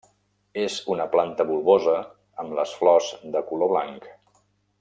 És una planta bulbosa amb les flors de color blanc.